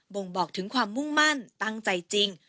่งบอกถึงความมุ่งมั่นตั้งใจจริง